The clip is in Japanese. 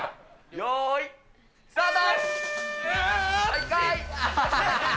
よーい、スタート。